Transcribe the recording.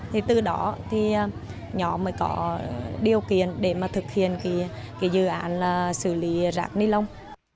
thì từ đó thì nhỏ mới có điều kiện để thực hiện dự án xử lý rạng ni lông